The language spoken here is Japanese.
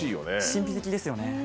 神秘的ですよね。